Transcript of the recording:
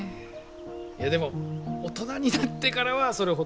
でも大人になってからはそれほど。